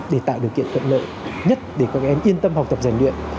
để tạo điều kiện cận lợi nhất để các em yên tâm học tập giải luyện